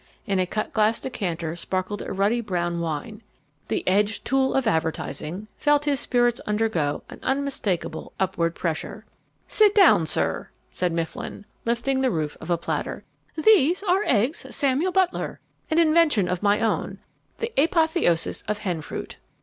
In a cut glass decanter sparkled a ruddy brown wine. The edged tool of Advertising felt his spirits undergo an unmistakable upward pressure. "Sit down, sir," said Mifflin, lifting the roof of a platter. "These are eggs Samuel Butler, an invention of my own, the apotheosis of hen fruit."